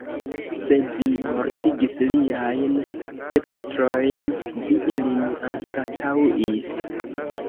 Se vi mortigis liajn gepatrojn, vi ilin anstataŭis.